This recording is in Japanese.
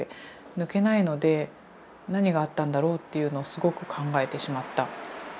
抜けないので何があったんだろう？っていうのをすごく考えてしまった。